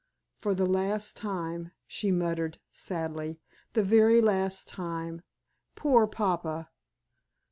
"For the last time," she murmured, sadly; "the very last time poor papa!"